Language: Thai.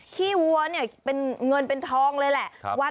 ้วัวเนี่ยเป็นเงินเป็นทองเลยแหละ